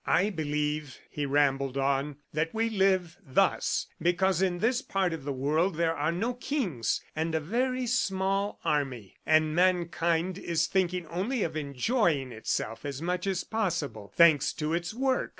"I believe," he rambled on, "that we live thus because in this part of the world there are no kings and a very small army and mankind is thinking only of enjoying itself as much as possible, thanks to its work.